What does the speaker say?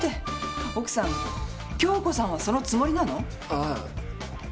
ああ。